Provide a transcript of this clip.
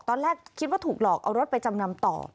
ตอนแรกคิดว่าถูกหลอกเอารถไปจำนำต่อ